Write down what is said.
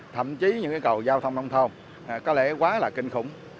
thậm chí những cầu giao thông nông thôn có lẽ quá là kinh khủng